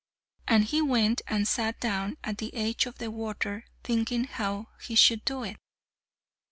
And he went and sat down at the edge of the water, thinking how he should do it.